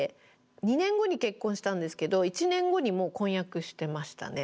２年後に結婚したんですけど１年後にもう婚約してましたね。